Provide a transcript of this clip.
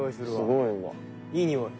いいにおい。